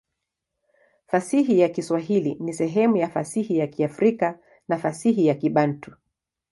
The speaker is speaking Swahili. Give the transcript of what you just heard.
Fasihi ya Kiswahili ni sehemu ya fasihi ya Kiafrika na fasihi ya Kibantu.